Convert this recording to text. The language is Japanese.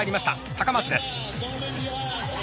高松です。